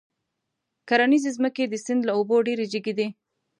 کرنيزې ځمکې د سيند له اوبو ډېرې جګې دي.